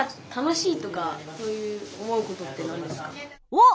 おっ！